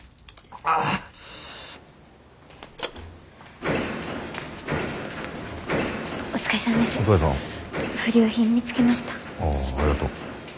ああありがとう。